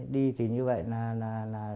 đi thì như vậy là